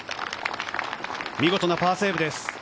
見事なパーセーブです。